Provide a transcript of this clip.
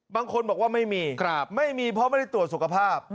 บางคนบอกว่าไม่มีไม่มีเพราะไม่ได้ตรวจสุขภาพ